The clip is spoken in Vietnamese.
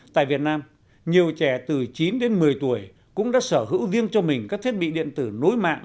tại việt nam nhiều trẻ từ chín đến một mươi tuổi cũng đã sở hữu riêng cho mình các thiết bị điện tử nối mạng